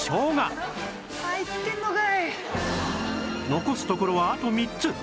残すところはあと３つ